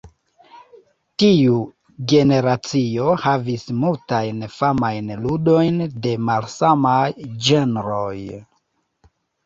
Tiu generacio havis multajn famajn ludojn de malsamaj ĝenroj.